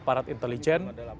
kami tidak bisa menduga duga